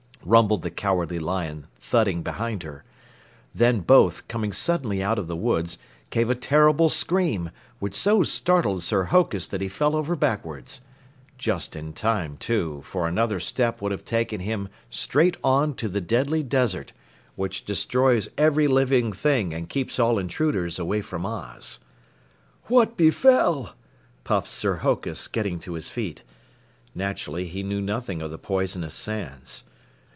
rumbled the Cowardly Lion, thudding behind her. Then both, coming suddenly out of the woods, gave a terrible scream, which so startled Sir Hokus that he fell over backwards. Just in time, too, for another step would have taken him straight on to the Deadly Desert, which destroys every living thing and keeps all intruders away from Oz. "What befell?" puffed Sir Hokus, getting to his feet. Naturally, he knew nothing of the poisonous sands.